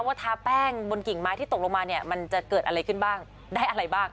ทาแป้งบนกิ่งไม้ที่ตกลงมาเนี่ยมันจะเกิดอะไรขึ้นบ้างได้อะไรบ้าง